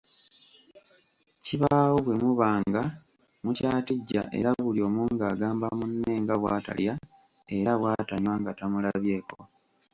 Kibaawo bwe muba nga mukyatijja era buli omu ng'agamba munne nga bwatalya era bw'atanywa nga tamulabyeko